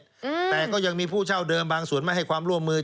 อืมแต่ก็ยังมีผู้เช่าเดิมบางส่วนไม่ให้ความร่วมมือ